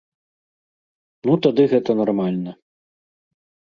Ну тады гэта нармальна.